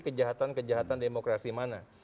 kejahatan kejahatan demokrasi mana